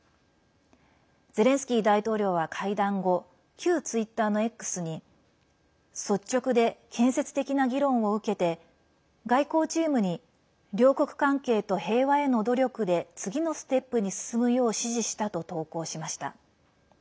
ゼレンスキー大統領は会談後旧ツイッターのＸに率直で建設的な議論を受けて外交チームに両国関係と平和への努力で次のステップに進むよう指示したと投稿しました。